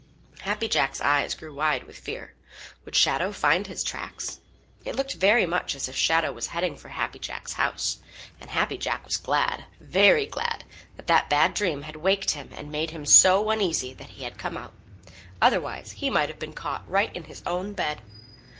Happy Jack's eyes grew wide with fear. Would Shadow find his tracks? It looked very much as if Shadow was heading for Happy Jack's house, and Happy Jack was glad, very glad, that that bad dream had waked him and made him so uneasy that he had come out. Otherwise he might have been caught right in his own bed.